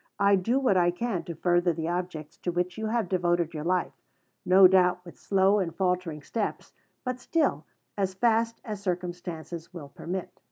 ] I do what I can to further the objects to which you have devoted your life no doubt with slow and faltering steps, but still as fast as circumstances will permit.